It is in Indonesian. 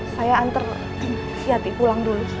saya antar si yati pulang dulu